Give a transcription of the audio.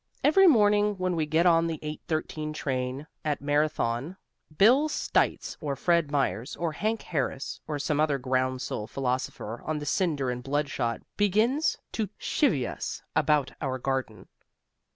Every morning when we get on the 8:13 train at Marathon Bill Stites or Fred Myers or Hank Harris or some other groundsel philosopher on the Cinder and Bloodshot begins to chivvy us about our garden.